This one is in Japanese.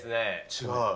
違う？